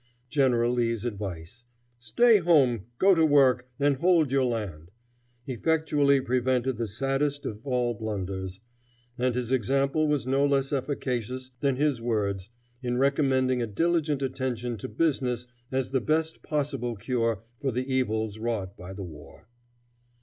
General Lee's advice, "Stay at home, go to work, and hold your land," effectually prevented this saddest of all blunders; and his example was no less efficacious than his words, in recommending a diligent attention to business as the best possible cure for the evils wrought by the war.